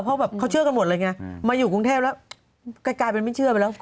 ขอว่าเขาเชื่อกันหมดค่ะหมาอยู่รุงแทพแล้วกลายเป็นไม่เชื่อไปแล้ว